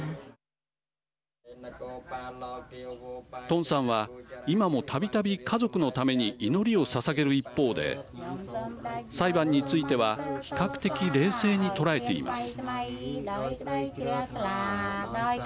トンさんは今も、たびたび家族のために祈りをささげる一方で裁判については比較的、冷静に捉えています。